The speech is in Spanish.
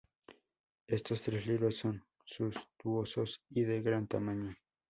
Εstos tres libros son suntuosos y de gran tamaño.